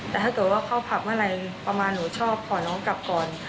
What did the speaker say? แต่ถ้าเกิดว่าเข้าผับเมื่อไหร่ประมาณหนูชอบขอน้องกลับก่อน